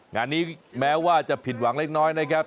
งานนี้แม้ว่าจะผิดหวังเล็กน้อยนะครับ